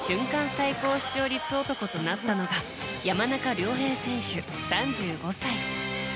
最高視聴率男となったのは山中亮平選手、３５歳。